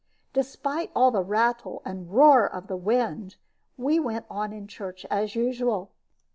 Despite all the rattle and roar of the wind, we went on in church as usual.